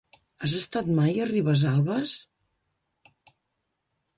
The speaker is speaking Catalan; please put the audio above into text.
Has estat mai a Ribesalbes?